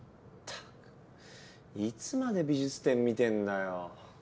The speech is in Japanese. ったくいつまで美術展見てんだよ。